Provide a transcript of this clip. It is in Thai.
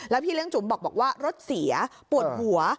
พี่เลี้ยจุ๋มบอกว่ารถเสียปวดหัว